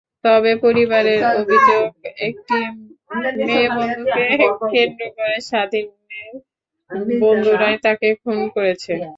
তবে পরিবারের অভিযোগ, একটি মেয়েবন্ধুকে কেন্দ্র করে স্বাধীনের বন্ধুরাই তাকে খুন করেছে।